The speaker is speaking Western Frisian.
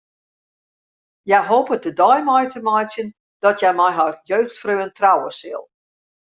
Hja hopet de dei mei te meitsjen dat hja mei har jeugdfreon trouwe sil.